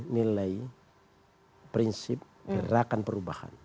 nilai prinsip gerakan perubahan